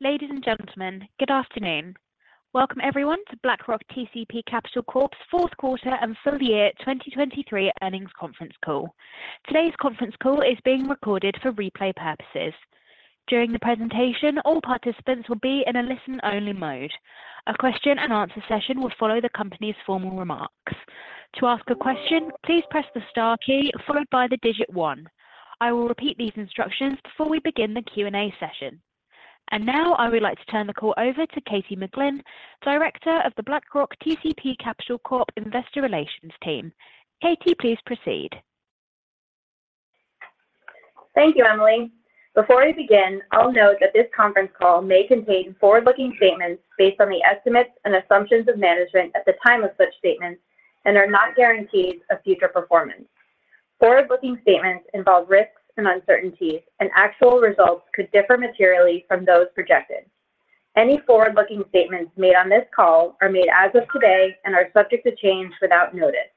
Ladies and gentlemen, good afternoon. Welcome everyone to BlackRock TCP Capital Corp.'s Q4 and full year 2023 earnings conference call. Today's conference call is being recorded for replay purposes. During the presentation, all participants will be in a listen-only mode. A question-and-answer session will follow the company's formal remarks. To ask a question, please press the star key followed by the digit 1. I will repeat these instructions before we begin the Q&A session. Now I would like to turn the call over to Katie McGlynn, Director of the BlackRock TCP Capital Corp. Investor Relations Team. Katie, please proceed. Thank you, Emily. Before we begin, I'll note that this conference call may contain forward-looking statements based on the estimates and assumptions of management at the time of such statements and are not guarantees of future performance. Forward-looking statements involve risks and uncertainties, and actual results could differ materially from those projected. Any forward-looking statements made on this call are made as of today and are subject to change without notice.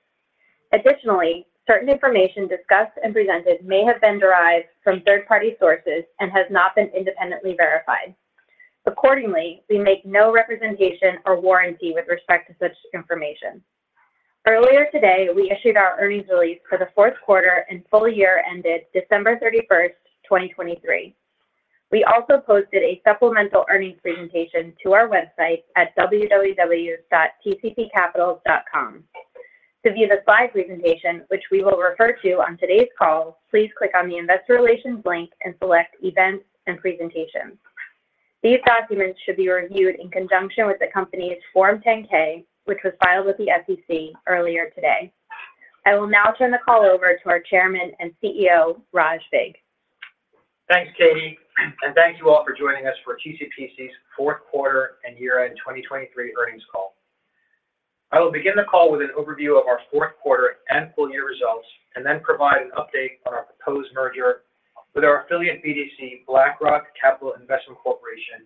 Additionally, certain information discussed and presented may have been derived from third-party sources and has not been independently verified. Accordingly, we make no representation or warranty with respect to such information. Earlier today, we issued our earnings release for the Q4 and full year ended December 31st, 2023. We also posted a supplemental earnings presentation to our website at www.tcpcapital.com. To view the slide presentation, which we will refer to on today's call, please click on the investor relations link and select Events and Presentations. These documents should be reviewed in conjunction with the company's Form 10-K, which was filed with the SEC earlier today. I will now turn the call over to our Chairman and CEO, Raj Vig. Thanks, Katie. And thank you all for joining us for TCPC's Q4 and year-end 2023 earnings call. I will begin the call with an overview of our Q4 and full year results and then provide an update on our proposed merger with our affiliate BDC, BlackRock Capital Investment Corporation,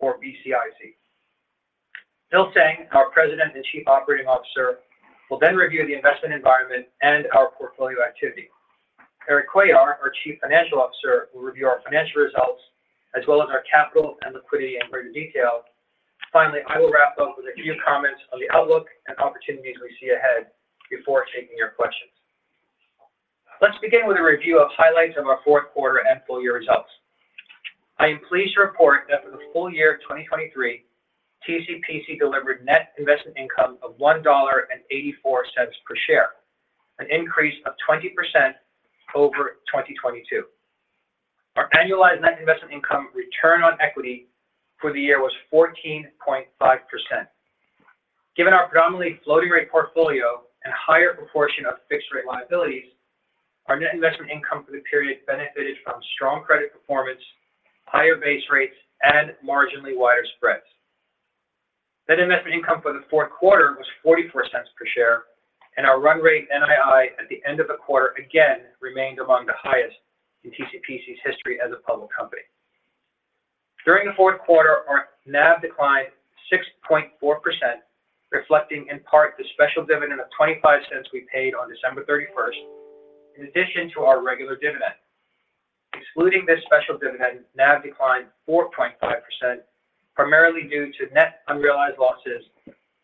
or BCIC. Phil Tseng, our President and Chief Operating Officer, will then review the investment environment and our portfolio activity. Erik Cuellar, our Chief Financial Officer, will review our financial results as well as our capital and liquidity in greater detail. Finally, I will wrap up with a few comments on the outlook and opportunities we see ahead before taking your questions. Let's begin with a review of highlights of our Q4 and full year results. I am pleased to report that for the full year 2023, TCPC delivered net investment income of $1.84 per share, an increase of 20% over 2022. Our annualized net investment income return on equity for the year was 14.5%. Given our predominantly floating-rate portfolio and higher proportion of fixed-rate liabilities, our net investment income for the period benefited from strong credit performance, higher base rates, and marginally wider spreads. Net investment income for the Q4 was $0.44 per share, and our run rate NII at the end of the quarter again remained among the highest in TCPC's history as a public company. During the Q4, our NAV declined 6.4%, reflecting in part the special dividend of $0.25 we paid on December 31st in addition to our regular dividend. Excluding this special dividend, NAV declined 4.5% primarily due to net unrealized losses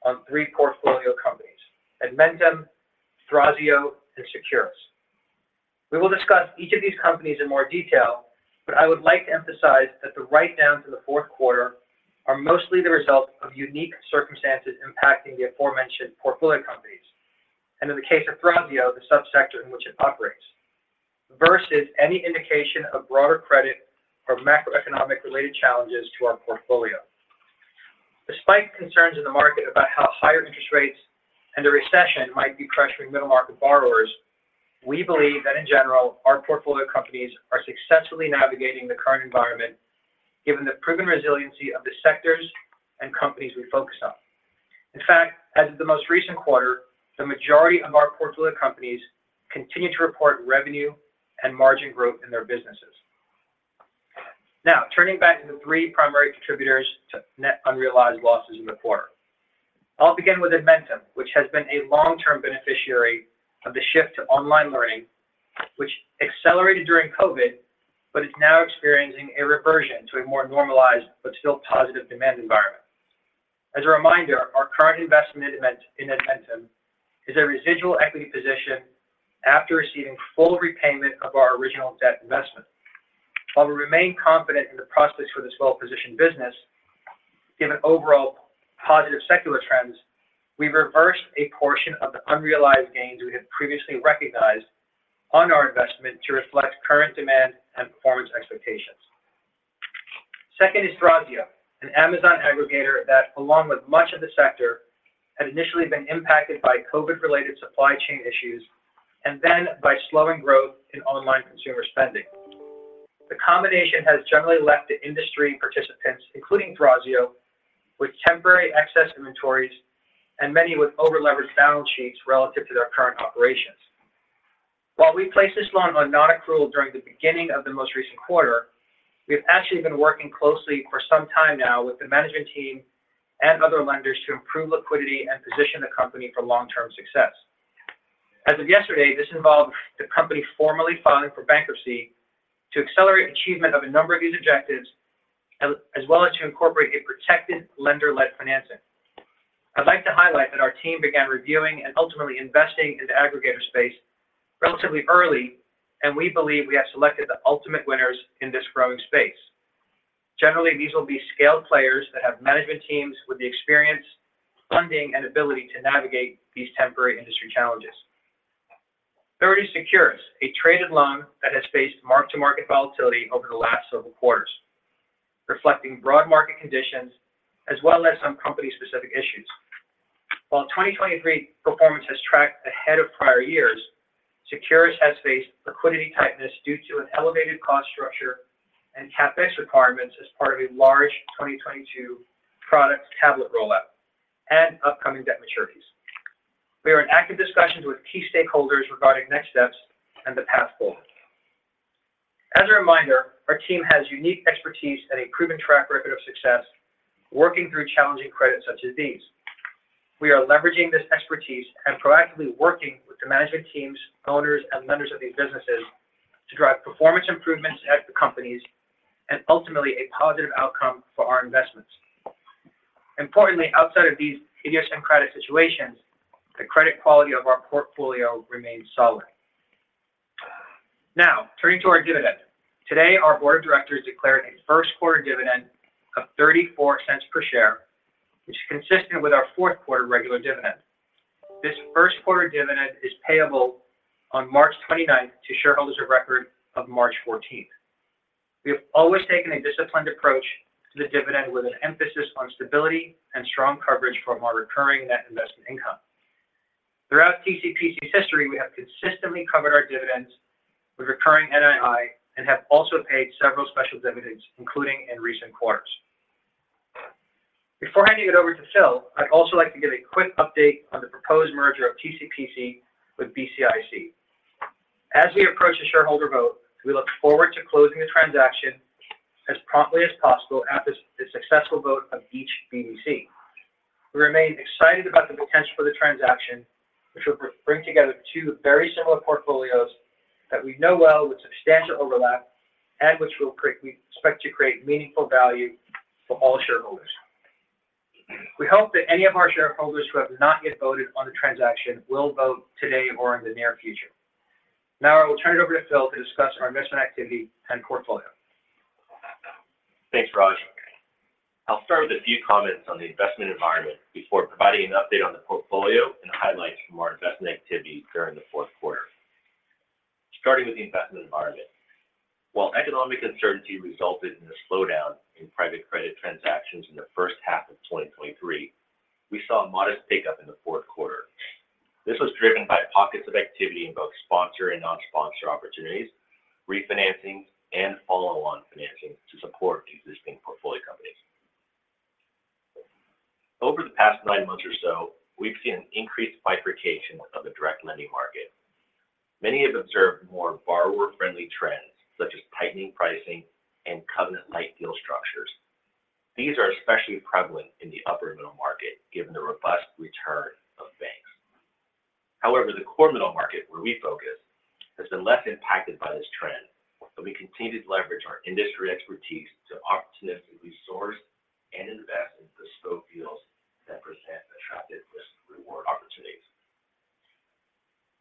on three portfolio companies: Edmentum, Thrasio, and Securus. We will discuss each of these companies in more detail, but I would like to emphasize that the write-downs in the Q4 are mostly the result of unique circumstances impacting the aforementioned portfolio companies and, in the case of Thrasio, the subsector in which it operates, versus any indication of broader credit or macroeconomic-related challenges to our portfolio. Despite concerns in the market about how higher interest rates and a recession might be pressuring middle-market borrowers, we believe that, in general, our portfolio companies are successfully navigating the current environment given the proven resiliency of the sectors and companies we focus on. In fact, as of the most recent quarter, the majority of our portfolio companies continue to report revenue and margin growth in their businesses. Now, turning back to the three primary contributors to net unrealized losses in the quarter, I'll begin with Edmentum, which has been a long-term beneficiary of the shift to online learning, which accelerated during COVID but is now experiencing a reversion to a more normalized but still positive demand environment. As a reminder, our current investment in Edmentum is a residual equity position after receiving full repayment of our original debt investment. While we remain confident in the prospects for this well-positioned business, given overall positive secular trends, we've reversed a portion of the unrealized gains we had previously recognized on our investment to reflect current demand and performance expectations. Second is Thrasio, an Amazon aggregator that, along with much of the sector, had initially been impacted by COVID-related supply chain issues and then by slowing growth in online consumer spending. The combination has generally left the industry participants, including Thrasio, with temporary excess inventories and many with over-leveraged balance sheets relative to their current operations. While we placed this loan on non-accrual during the beginning of the most recent quarter, we've actually been working closely for some time now with the management team and other lenders to improve liquidity and position the company for long-term success. As of yesterday, this involved the company formally filing for bankruptcy to accelerate achievement of a number of these objectives as well as to incorporate a protected lender-led financing. I'd like to highlight that our team began reviewing and ultimately investing in the aggregator space relatively early, and we believe we have selected the ultimate winners in this growing space. Generally, these will be scaled players that have management teams with the experience, funding, and ability to navigate these temporary industry challenges. Third is Securus, a traded loan that has faced mark-to-market volatility over the last several quarters, reflecting broad market conditions as well as some company-specific issues. While 2023 performance has tracked ahead of prior years, Securus has faced liquidity tightness due to an elevated cost structure and CapEx requirements as part of a large 2022 product tablet rollout and upcoming debt maturities. We are in active discussions with key stakeholders regarding next steps and the path forward. As a reminder, our team has unique expertise and a proven track record of success working through challenging credits such as these. We are leveraging this expertise and proactively working with the management teams, owners, and lenders of these businesses to drive performance improvements at the companies and ultimately a positive outcome for our investments. Importantly, outside of these idiosyncratic situations, the credit quality of our portfolio remains solid. Now, turning to our dividend, today our board of directors declared a Q1 dividend of $0.34 per share, which is consistent with our Q4 regular dividend. This Q1 dividend is payable on March 29th to shareholders of record of March 14th. We have always taken a disciplined approach to the dividend with an emphasis on stability and strong coverage from our recurring net investment income. Throughout TCPC's history, we have consistently covered our dividends with recurring NII and have also paid several special dividends, including in recent quarters. Before handing it over to Phil, I'd also like to give a quick update on the proposed merger of TCPC with BCIC. As we approach the shareholder vote, we look forward to closing the transaction as promptly as possible after the successful vote of each BDC. We remain excited about the potential for the transaction, which will bring together two very similar portfolios that we know well with substantial overlap and which we expect to create meaningful value for all shareholders. We hope that any of our shareholders who have not yet voted on the transaction will vote today or in the near future. Now, I will turn it over to Phil to discuss our investment activity and portfolio. Thanks, Raj. I'll start with a few comments on the investment environment before providing an update on the portfolio and highlights from our investment activity during the Q4. Starting with the investment environment, while economic uncertainty resulted in a slowdown in private credit transactions in the H1 of 2023, we saw a modest pickup in the Q4. This was driven by pockets of activity in both sponsor and non-sponsor opportunities, refinancings, and follow-on financing to support existing portfolio companies. Over the past nine months or so, we've seen an increased bifurcation of the direct lending market. Many have observed more borrower-friendly trends such as tightening pricing and covenant-like deal structures. These are especially prevalent in the upper middle market given the robust return of banks. However, the core middle market, where we focus, has been less impacted by this trend, and we continue to leverage our industry expertise to opportunistically source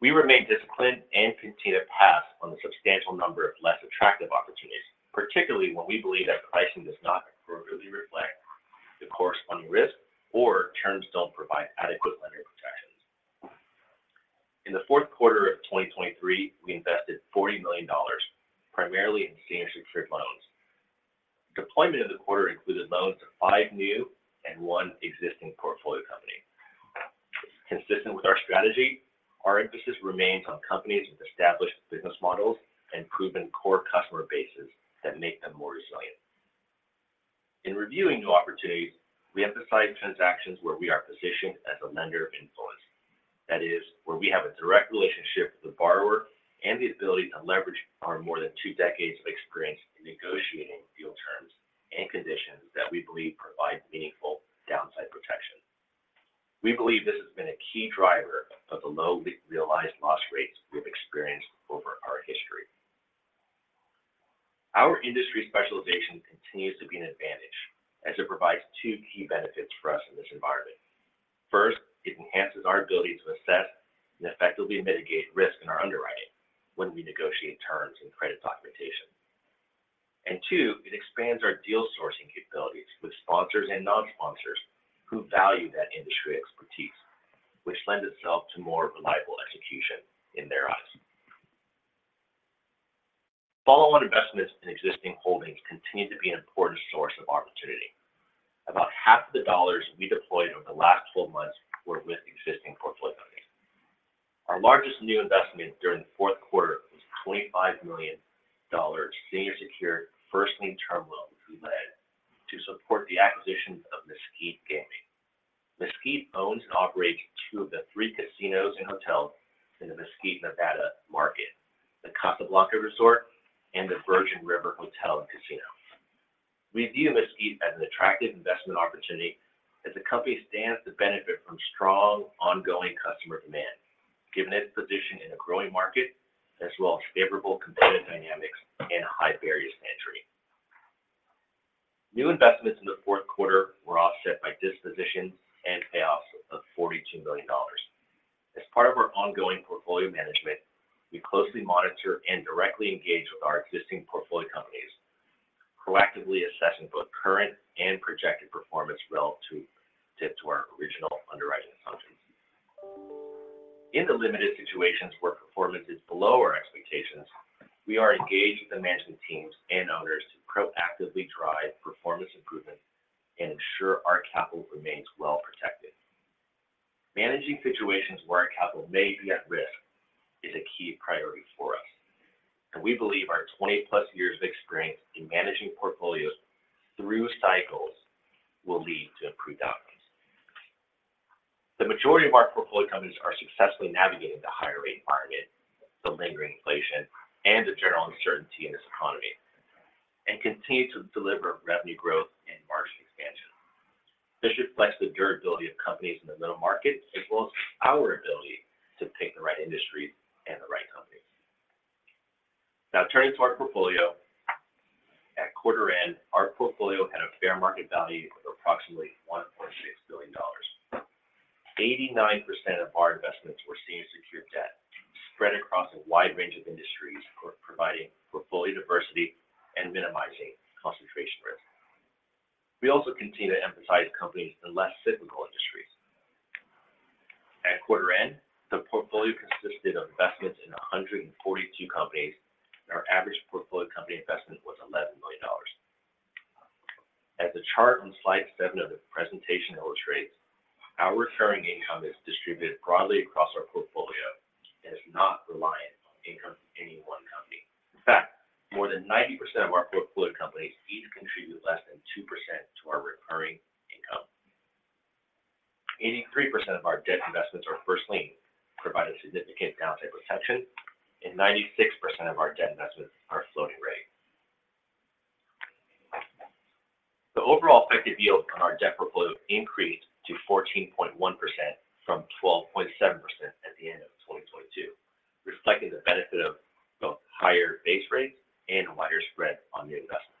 and invest in bespoke deals that present attractive risk-reward opportunities. We remain disciplined and continue to pass on the substantial number of less attractive opportunities, particularly when we believe that pricing does not appropriately reflect the corresponding risk or terms don't provide adequate lender protections. In the Q4 of 2023, we invested $40 million primarily in senior secured loans. Deployment of the quarter included loans to five new and one existing portfolio company. Consistent with our strategy, our emphasis remains on companies with established business models and proven core customer bases that make them more resilient. In reviewing new opportunities, we emphasize transactions where we are positioned as a lender of influence. That is, where we have a direct relationship with the borrower and the ability to leverage our more than two decades of experience in negotiating deal terms and conditions that we believe provide meaningful downside protection. We believe this has been a key driver of the low realized loss rates we have experienced over our history. Our industry specialization continues to be an advantage as it provides two key benefits for us in this environment. First, it enhances our ability to assess and effectively mitigate risk in our underwriting when we negotiate terms and credit documentation. And two, it expands our deal sourcing capabilities with sponsors and non-sponsors who value that industry expertise, which lends itself to more reliable execution in their eyes. Follow-on investments in existing holdings continue to be an important source of opportunity. About half of the dollars we deployed over the last 12 months were with existing portfolio companies. Our largest new investment during the Q4 was $25 million senior secured first lien term loans we led to support the acquisition of Mesquite Gaming. Mesquite owns and operates two of the three casinos and hotels in the Mesquite, Nevada market: the CasaBlanca Resort and the Virgin River Hotel and Casino. We view Mesquite as an attractive investment opportunity as the company stands to benefit from strong ongoing customer demand given its position in a growing market as well as favorable competitive dynamics and high barrier to entry. New investments in the Q4 were offset by dispositions and payoffs of $42 million. As part of our ongoing portfolio management, we closely monitor and directly engage with our existing portfolio companies, proactively assessing both current and projected performance relative to our original underwriting assumptions. In the limited situations where performance is below our expectations, we are engaged with the management teams and owners to proactively drive performance improvement and ensure our capital remains well protected. Managing situations where our capital may be at risk is a key priority for us, and we believe our 20+ years of experience in managing portfolios through cycles will lead to improved outcomes. The majority of our portfolio companies are successfully navigating the higher-rate environment, the lingering inflation, and the general uncertainty in this economy, and continue to deliver revenue growth and margin expansion. This reflects the durability of companies in the middle market as well as our ability to pick the right industries and the right companies. Now, turning to our portfolio, at quarter end, our portfolio had a fair market value of approximately $1.6 billion. 89% of our investments were senior secured debt spread across a wide range of industries, providing portfolio diversity and minimizing concentration risk. We also continue to emphasize companies in less cyclical industries. At quarter end, the portfolio consisted of investments in 142 companies, and our average portfolio company investment was $11 million. As the chart on slide 7 of the presentation illustrates, our recurring income is distributed broadly across our portfolio and is not reliant on income from any one company. In fact, more than 90% of our portfolio companies each contribute less than 2% to our recurring income. 83% of our debt investments are first lien, providing significant downside protection, and 96% of our debt investments are floating rate. The overall effective yield on our debt portfolio increased to 14.1% from 12.7% at the end of 2022, reflecting the benefit of both higher base rates and wider spread on new investments.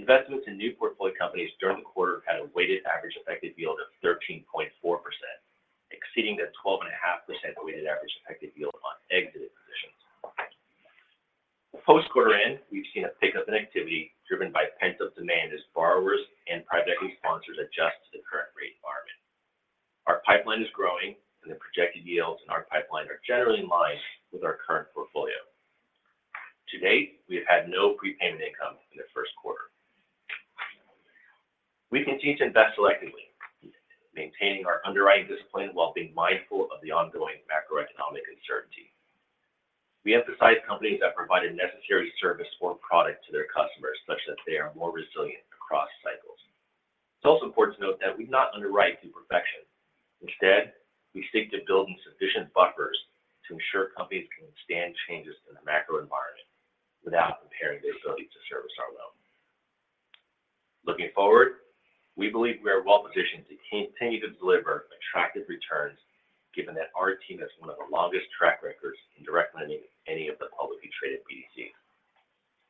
Investments in new portfolio companies during the quarter had a weighted average effective yield of 13.4%, exceeding the 12.5% weighted average effective yield on exited positions. Post-quarter end, we've seen a pickup in activity driven by pent-up demand as borrowers and private equity sponsors adjust to the current rate environment. Our pipeline is growing, and the projected yields in our pipeline are generally in line with our current portfolio. To date, we have had no prepayment income in the Q1. We continue to invest selectively, maintaining our underwriting discipline while being mindful of the ongoing macroeconomic uncertainty. We emphasize companies that provide a necessary service or product to their customers such that they are more resilient across cycles. It's also important to note that we do not underwrite to perfection. Instead, we stick to building sufficient buffers to ensure companies can withstand changes in the macro environment without impairing their ability to service our loan. Looking forward, we believe we are well positioned to continue to deliver attractive returns given that our team has one of the longest track records in direct lending of any of the publicly traded BDCs.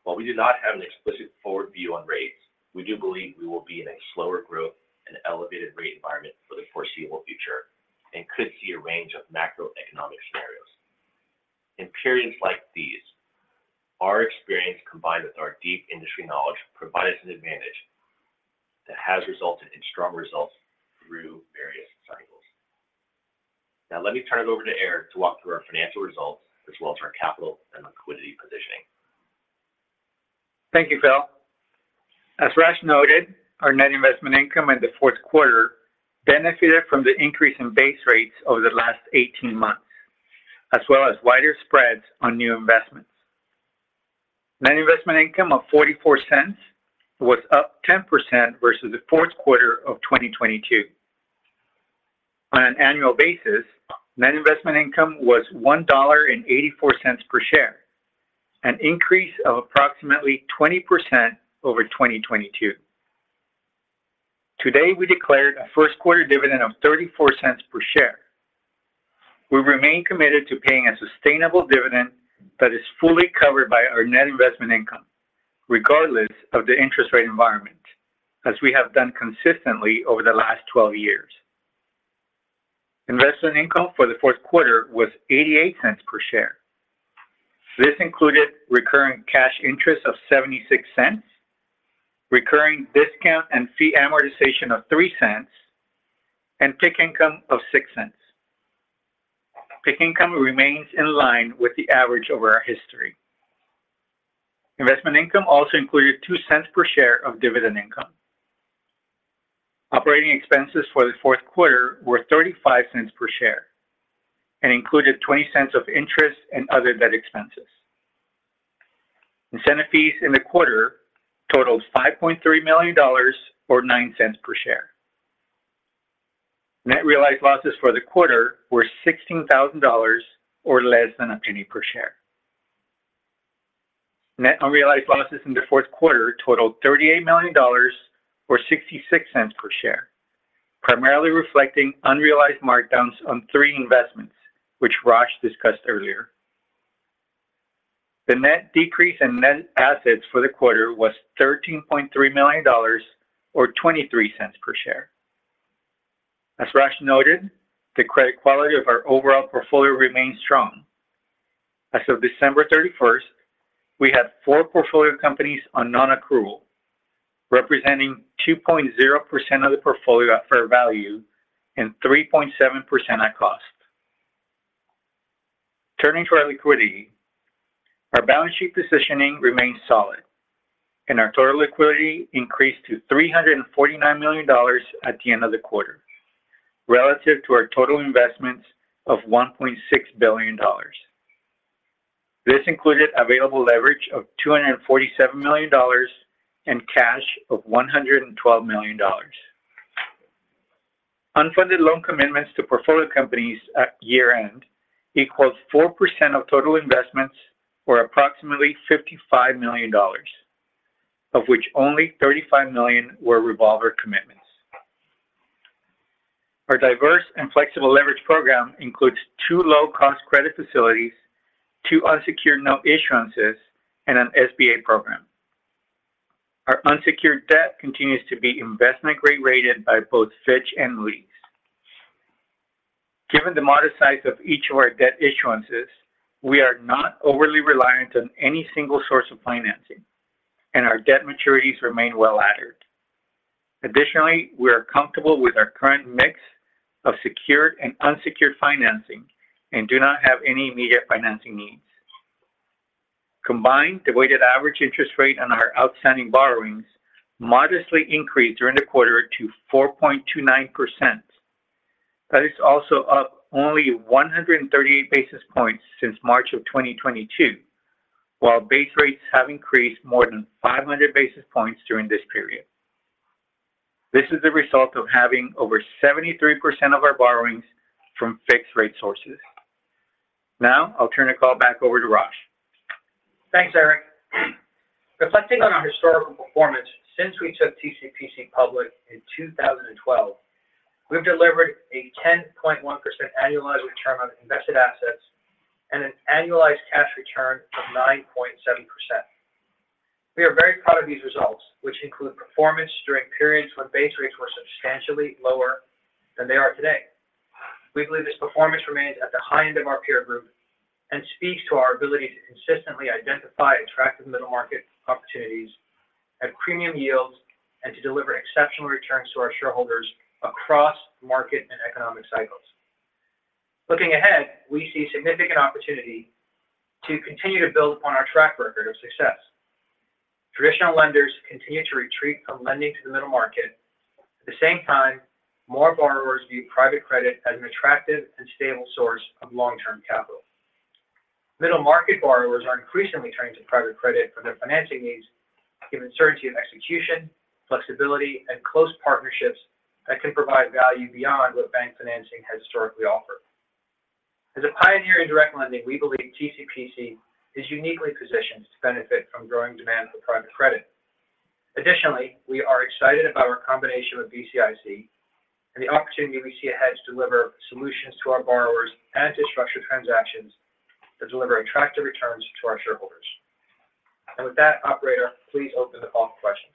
While we do not have an explicit forward view on rates, we do believe we will be in a slower growth and elevated rate environment for the foreseeable future and could see a range of macroeconomic scenarios. In periods like these, our experience combined with our deep industry knowledge provides an advantage that has resulted in strong results through various cycles. Now, let me turn it over to Erik to walk through our financial results as well as our capital and liquidity positioning. Thank you, Phil. As Raj noted, our net investment income in the Q4 benefited from the increase in base rates over the last 18 months as well as wider spreads on new investments. Net investment income of $0.44 was up 10% versus the Q4 of 2022. On an annual basis, net investment income was $1.84 per share, an increase of approximately 20% over 2022. Today, we declared a Q1 dividend of $0.34 per share. We remain committed to paying a sustainable dividend that is fully covered by our net investment income regardless of the interest rate environment, as we have done consistently over the last 12 years. Investment income for the Q4 was $0.88 per share. This included recurring cash interest of $0.76, recurring discount and fee amortization of $0.03, and PIK income of $0.06. PIK income remains in line with the average over our history. Investment income also included $0.02 per share of dividend income. Operating expenses for the Q4 were $0.35 per share and included $0.20 of interest and other debt expenses. Incentive fees in the quarter totaled $5.3 million or $0.09 per share. Net realized losses for the quarter were $16,000 or less than a penny per share. Net unrealized losses in the Q4 totaled $38 million or $0.66 per share, primarily reflecting unrealized markdowns on three investments, which Raj discussed earlier. The net decrease in net assets for the quarter was $13.3 million or $0.23 per share. As Raj noted, the credit quality of our overall portfolio remains strong. As of December 31st, we had four portfolio companies on non-accrual, representing 2.0% of the portfolio at fair value and 3.7% at cost. Turning to our liquidity, our balance sheet positioning remains solid, and our total liquidity increased to $349 million at the end of the quarter relative to our total investments of $1.6 billion. This included available leverage of $247 million and cash of $112 million. Unfunded loan commitments to portfolio companies at year-end equaled 4% of total investments or approximately $55 million, of which only $35 million were revolver commitments. Our diverse and flexible leverage program includes two low-cost credit facilities, two unsecured note issuances, and an SBA program. Our unsecured debt continues to be investment-grade rated by both Fitch and S&P. Given the modest size of each of our debt issuances, we are not overly reliant on any single source of financing, and our debt maturities remain well-laddered. Additionally, we are comfortable with our current mix of secured and unsecured financing and do not have any immediate financing needs. Combined, the weighted average interest rate on our outstanding borrowings modestly increased during the quarter to 4.29%. That is also up only 138 basis points since March of 2022, while base rates have increased more than 500 basis points during this period. This is the result of having over 73% of our borrowings from fixed-rate sources. Now, I'll turn the call back over to Raj. Thanks, Erik. Reflecting on our historical performance since we took TCPC public in 2012, we've delivered a 10.1% annualized return on invested assets and an annualized cash return of 9.7%. We are very proud of these results, which include performance during periods when base rates were substantially lower than they are today. We believe this performance remains at the high end of our peer group and speaks to our ability to consistently identify attractive middle market opportunities at premium yields and to deliver exceptional returns to our shareholders across market and economic cycles. Looking ahead, we see significant opportunity to continue to build upon our track record of success. Traditional lenders continue to retreat from lending to the middle market. At the same time, more borrowers view private credit as an attractive and stable source of long-term capital. Middle-market borrowers are increasingly turning to private credit for their financing needs given certainty of execution, flexibility, and close partnerships that can provide value beyond what bank financing has historically offered. As a pioneer in direct lending, we believe TCPC is uniquely positioned to benefit from growing demand for private credit. Additionally, we are excited about our combination with BCIC and the opportunity we see ahead to deliver solutions to our borrowers and to structure transactions that deliver attractive returns to our shareholders. With that, operator, please open the call for questions.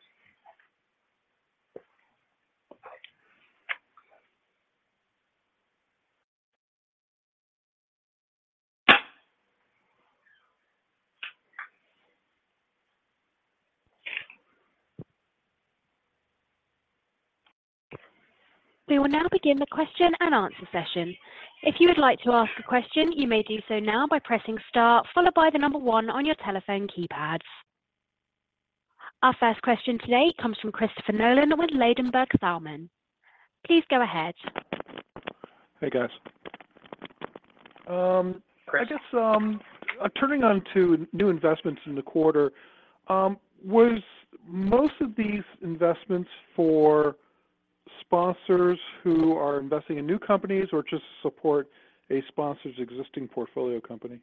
We will now begin the question and answer session. If you would like to ask a question, you may do so now by pressing star followed by the number one on your telephone keypad. Our first question today comes from Christopher Nolan with Ladenburg Thalmann. Please go ahead. Hey, guys. I guess turning to new investments in the quarter, was most of these investments for sponsors who are investing in new companies or just to support a sponsor's existing portfolio company?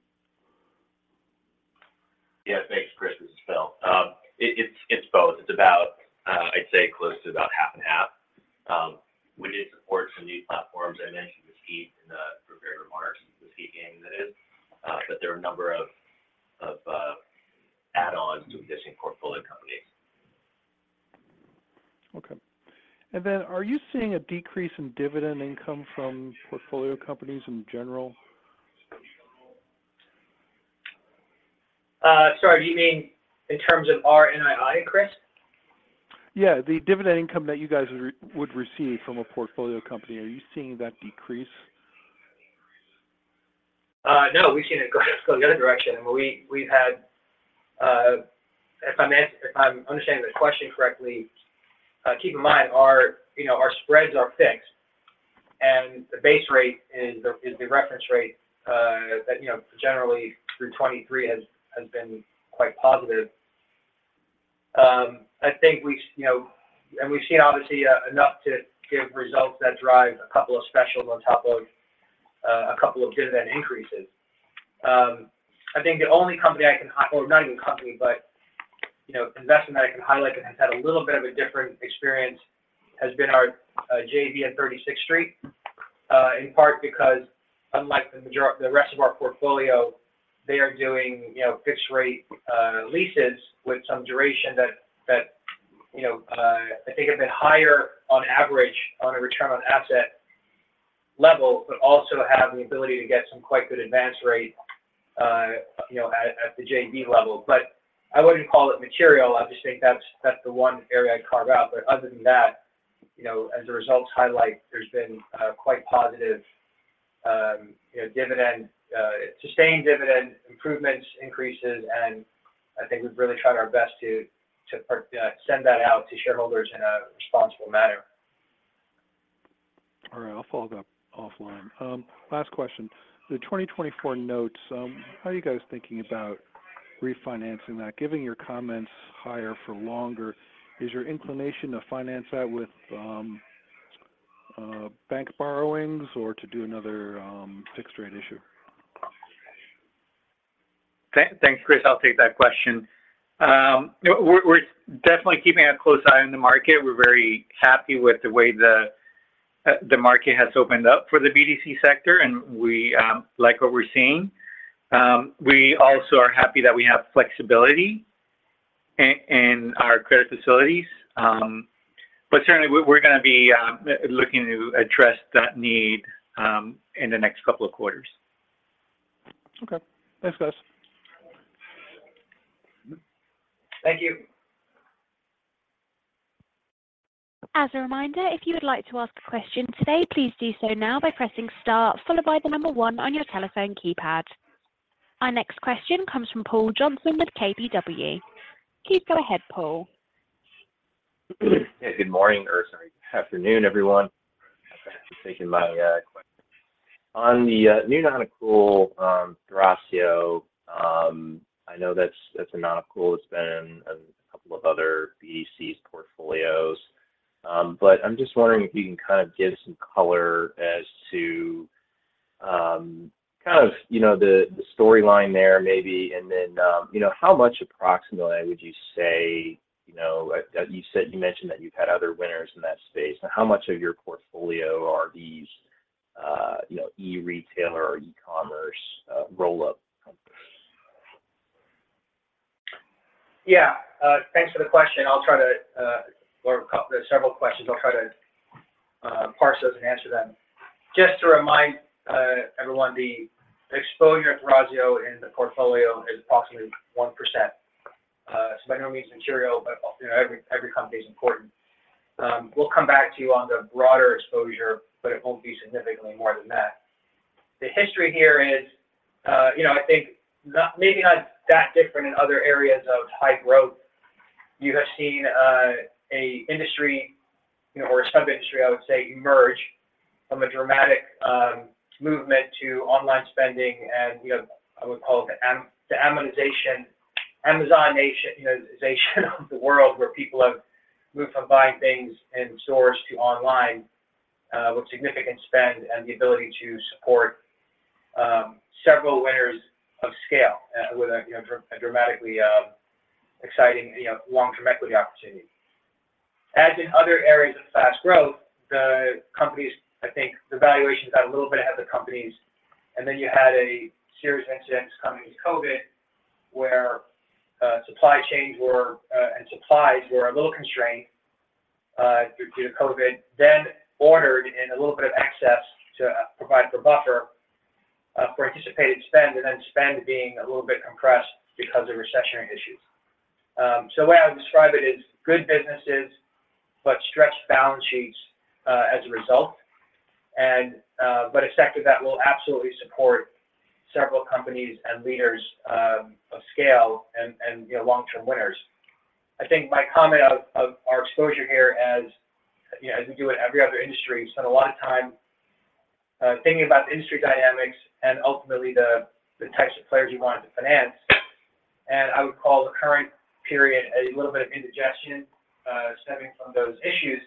Yes, thanks, Chris. This is Phil. It's both. It's about, I'd say, close to about half and half. We did support some new platforms. I mentioned Mesquite in the prepared remarks, Mesquite Gaming that is. But there are a number of add-ons to existing portfolio companies. Okay. And then are you seeing a decrease in dividend income from portfolio companies in general? Sorry, do you mean in terms of RNII, Chris? Yeah, the dividend income that you guys would receive from a portfolio company, are you seeing that decrease? No, we've seen it go the other direction. I mean, we've had, if I'm understanding the question correctly, keep in mind our spreads are fixed, and the base rate is the reference rate that generally through 2023 has been quite positive. I think we've, and we've seen, obviously, enough to give results that drive a couple of specials on top of a couple of dividend increases. I think the only company I can, or not even company, but investment that I can highlight that has had a little bit of a different experience has been our JV on 36th Street, in part because, unlike the rest of our portfolio, they are doing fixed-rate leases with some duration that I think have been higher on average on a return on asset level but also have the ability to get some quite good advance rate at the JV level. But I wouldn't call it material. I just think that's the one area I'd carve out. But other than that, as the results highlight, there's been quite positive dividend sustained dividend improvements, increases, and I think we've really tried our best to send that out to shareholders in a responsible manner. All right. I'll follow that offline. Last question. The 2024 notes, how are you guys thinking about refinancing that? Given your comments, higher for longer, is your inclination to finance that with bank borrowings or to do another fixed-rate issue? Thanks, Chris. I'll take that question. We're definitely keeping a close eye on the market. We're very happy with the way the market has opened up for the BDC sector, and we like what we're seeing. We also are happy that we have flexibility in our credit facilities. But certainly, we're going to be looking to address that need in the next couple of quarters. Okay. Thanks, guys. Thank you. As a reminder, if you would like to ask a question today, please do so now by pressing star followed by the number one on your telephone keypad. Our next question comes from Paul Johnson with KBW. Please go ahead, Paul. Yeah, good morning or sorry, afternoon, everyone. Thanks for taking my question. On the new non-accrual, Thrasio, I know that's a non-accrual. It's been in a couple of other BDCs' portfolios. But I'm just wondering if you can kind of give some color as to kind of the storyline there maybe, and then how much approximately would you say you mentioned that you've had other winners in that space. Now, how much of your portfolio are these e-retailer or e-commerce roll-up companies? Yeah. Thanks for the question. I'll try to answer several questions. I'll try to parse those and answer them. Just to remind everyone, the exposure at Thrasio in the portfolio is approximately 1%. So by no means material, but every company is important. We'll come back to you on the broader exposure, but it won't be significantly more than that. The history here is, I think, maybe not that different in other areas of high growth. You have seen an industry or a sub-industry, I would say, emerge from a dramatic movement to online spending, and I would call it the Amazonization of the world where people have moved from buying things in stores to online with significant spend and the ability to support several winners of scale with a dramatically exciting long-term equity opportunity. As in other areas of fast growth, the companies, I think, the valuations got a little bit ahead of the companies, and then you had a series of incidents coming with COVID where supply chains and supplies were a little constrained due to COVID, then ordered in a little bit of excess to provide for buffer for anticipated spend, and then spend being a little bit compressed because of recessionary issues. So the way I would describe it is good businesses but stretched balance sheets as a result, but a sector that will absolutely support several companies and leaders of scale and long-term winners. I think my comment of our exposure here as we do in every other industry, we spend a lot of time thinking about the industry dynamics and ultimately the types of players we wanted to finance. I would call the current period a little bit of indigestion stemming from those issues,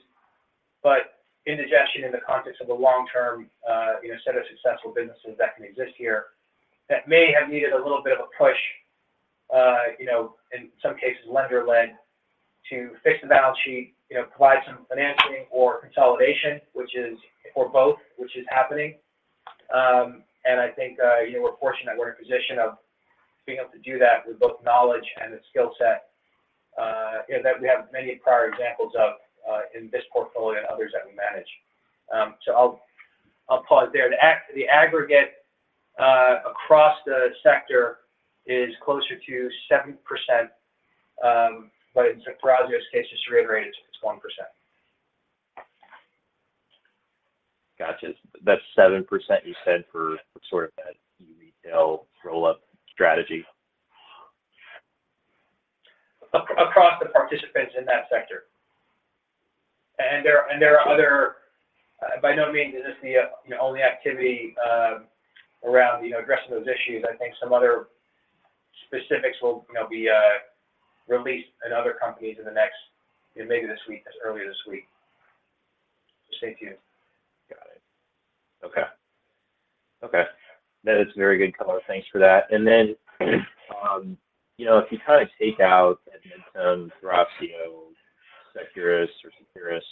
but indigestion in the context of a long-term set of successful businesses that can exist here that may have needed a little bit of a push, in some cases, lender-led, to fix the balance sheet, provide some financing, or consolidation, which is or both, which is happening. I think we're fortunate that we're in a position of being able to do that with both knowledge and the skill set that we have many prior examples of in this portfolio and others that we manage. So I'll pause there. The aggregate across the sector is closer to 7%, but in Thrasio's case, just to reiterate, it's 1%. Gotcha. That's 7% you said for sort of that e-retail roll-up strategy? Across the participants in that sector. And there are other by no means is this the only activity around addressing those issues. I think some other specifics will be released in other companies in the next maybe this week, earlier this week. Just stay tuned. Got it. Okay. Okay. That is very good color. Thanks for that. And then if you kind of take out Edmentum, Thrasio, Securus, or Securus,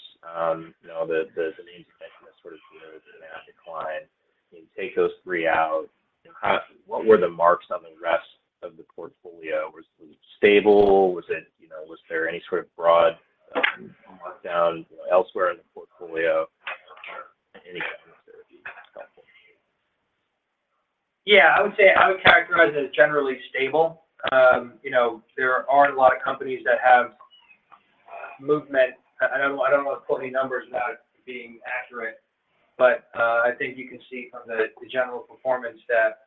the names you mentioned that sort of drew the NAV decline, take those three out, what were the marks on the rest of the portfolio? Was it stable? Was there any sort of broad markdown elsewhere in the portfolio? Any comments there would be helpful. Yeah. I would characterize it as generally stable. There aren't a lot of companies that have movement. I don't want to put any numbers without being accurate, but I think you can see from the general performance that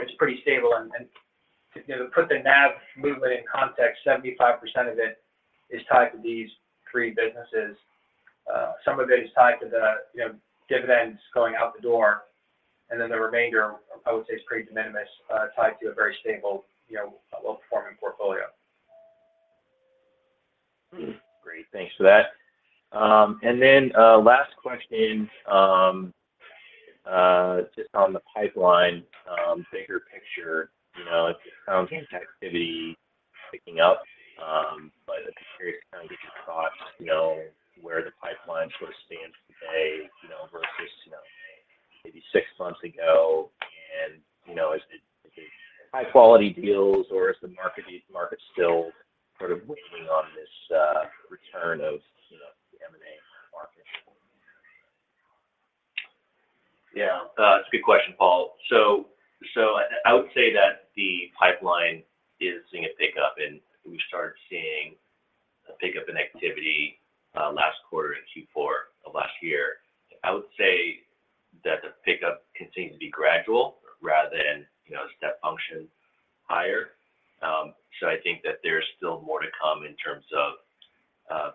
it's pretty stable. And to put the NAV movement in context, 75% of it is tied to these three businesses. Some of it is tied to the dividends going out the door, and then the remainder, I would say, is pretty de minimis, tied to a very stable, well-performing portfolio. Great. Thanks for that. And then last question, just on the pipeline, bigger picture, it sounds like activity is picking up, but I'm curious to kind of get your thoughts where the pipeline sort of stands today versus maybe six months ago. And is it high-quality deals, or is the market still sort of waiting on this return of the M&A market? Yeah. That's a good question, Paul. So I would say that the pipeline is seeing a pickup, and we started seeing a pickup in activity last quarter in Q4 of last year. I would say that the pickup continues to be gradual rather than a step function higher. So I think that there's still more to come in terms of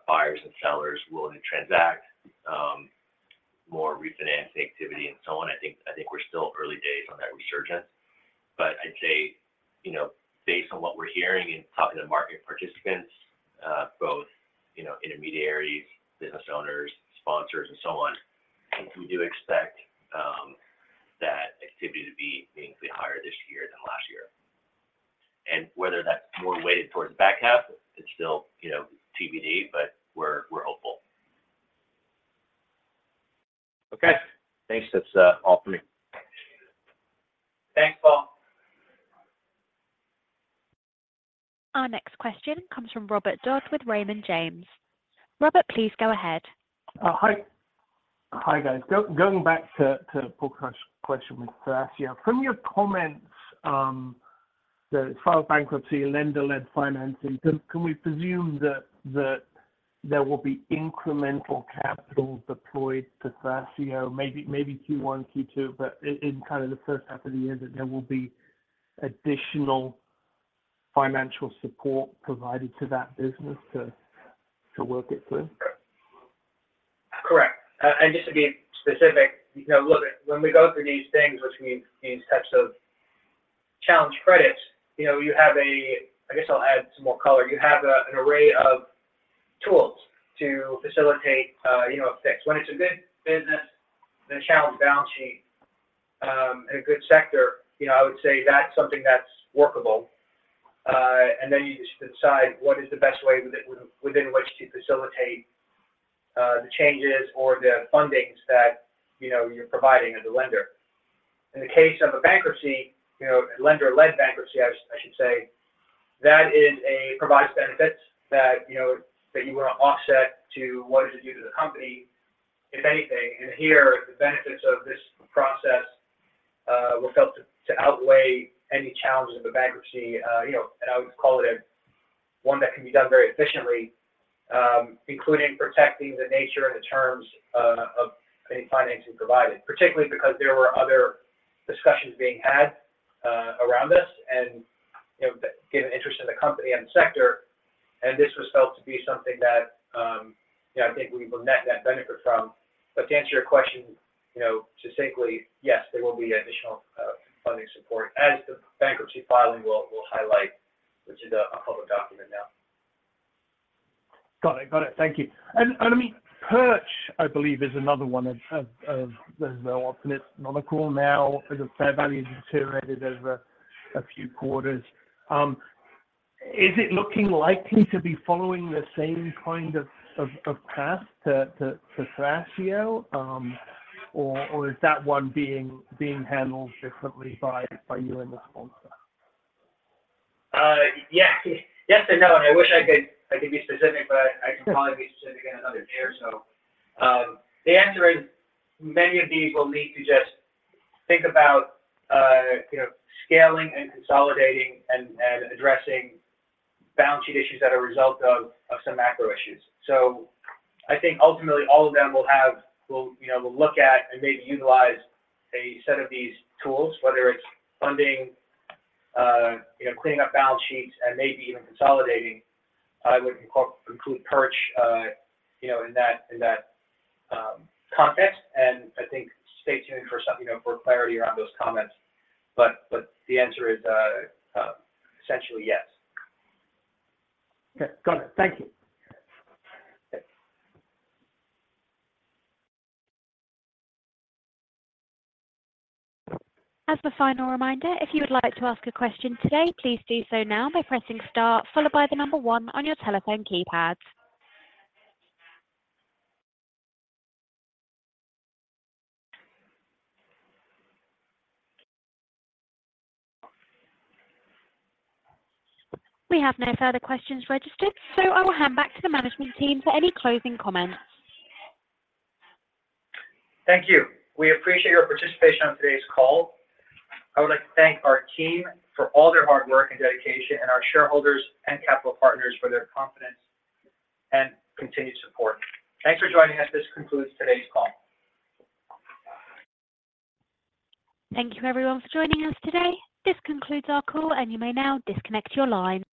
buyers and sellers willing to transact, more refinancing activity, and so on. I think we're still early days on that resurgence. But I'd say based on what we're hearing and talking to market participants, both intermediaries, business owners, sponsors, and so on, we do expect that activity to be meaningfully higher this year than last year. And whether that's more weighted towards the back half, it's still TBD, but we're hopeful. Okay. Thanks. That's all from me. Thanks, Paul. Our next question comes from Robert Dodd with Raymond James. Robert, please go ahead. Hi. Hi, guys. Going back to Paul's question with Thrasio, from your comments that it's followed bankruptcy, lender-led financing, can we presume that there will be incremental capital deployed to Thrasio, maybe Q1, Q2, but in kind of the H1 of the year, that there will be additional financial support provided to that business to work it through? Correct. And just to be specific, look, when we go through these things, which means these types of challenge credits, you have a, I guess, I'll add some more color. You have an array of tools to facilitate a fix. When it's a good business, the challenge balance sheet in a good sector, I would say that's something that's workable. And then you just decide what is the best way within which to facilitate the changes or the fundings that you're providing as a lender. In the case of a bankruptcy, a lender-led bankruptcy, I should say, that provides benefits that you want to offset to what it is you do to the company, if anything. Here, the benefits of this process were felt to outweigh any challenges of a bankruptcy, and I would call it one that can be done very efficiently, including protecting the nature and the terms of any financing provided, particularly because there were other discussions being had around this and given interest in the company and the sector. This was felt to be something that I think we will net that benefit from. But to answer your question succinctly, yes, there will be additional funding support, as the bankruptcy filing will highlight, which is a public document now. Got it. Got it. Thank you. And I mean, Perch, I believe, is another one of those well, optimistic non-accrual now. The fair value has deteriorated over a few quarters. Is it looking likely to be following the same kind of path to Thrasio, or is that one being handled differently by you and the sponsor? Yes. Yes and no. And I wish I could be specific, but I can probably be specific in another year. So the answer is many of these will need to just think about scaling and consolidating and addressing balance sheet issues that are a result of some macro issues. So I think ultimately, all of them will look at and maybe utilize a set of these tools, whether it's funding, cleaning up balance sheets, and maybe even consolidating. I would include Perch in that context. And I think stay tuned for clarity around those comments. But the answer is essentially yes. Okay. Got it. Thank you. As a final reminder, if you would like to ask a question today, please do so now by pressing star followed by 1 on your telephone keypad. We have no further questions registered, so I will hand back to the management team for any closing comments. Thank you. We appreciate your participation on today's call. I would like to thank our team for all their hard work and dedication, and our shareholders and capital partners for their confidence and continued support. Thanks for joining us. This concludes today's call. Thank you, everyone, for joining us today. This concludes our call, and you may now disconnect your line.